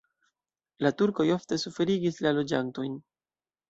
La turkoj ofte suferigis la loĝantojn.